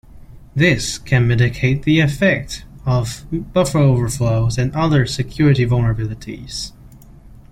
This can mitigate the effects of buffer overflows and other security vulnerabilities.